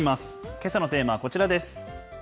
けさのテーマ、こちらです。